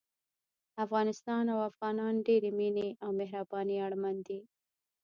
افغانستان او افغانان د ډېرې مينې او مهربانۍ اړمن دي